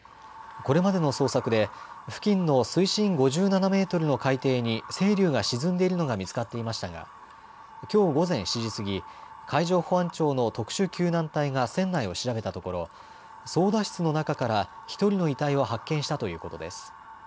これまでの捜索で付近の水深５７メートルの海底にせいりゅうが沈んでいるのが見つかっていましたがきょう午前７時過ぎ海上保安庁の特殊救難隊が船内を調べたところ操だ室の中から１人の遺体を発見したということです。